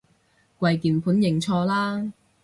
跪鍵盤認錯啦